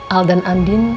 al dan andin